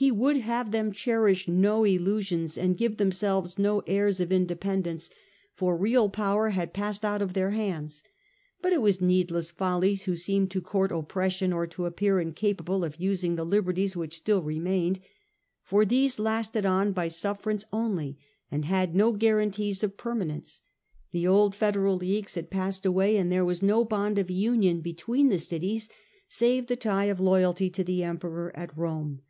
He would have them cherish no illusions, and give themselves no airs of independence, for real power had passed out of their hands ; but it was needless folly to seem to court oppression, or to appear incapable of using the liberties which still remained. For these lasted on by sufferance only, and had no guarantees of permanence ; the old federal leagues had passed away, and there was no bond of union between the cities save the tie of loyalty to the Emperor at Rome.